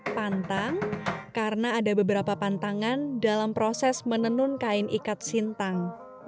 pantang karena ada beberapa pantangan dalam proses menenun kain ikat sintang